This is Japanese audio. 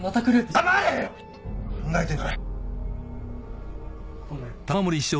ごめん。